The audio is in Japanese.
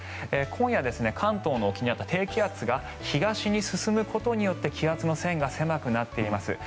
今夜、関東の沖にあった低気圧が東に進むことによって気圧の線が狭くなっています。